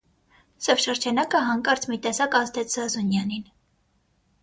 Սև շրջանակը հանկարծ մի տեսակ ազդեց Զազունյանին: